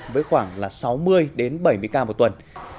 với khoảng là sáu mươi bảy mươi ca một tuần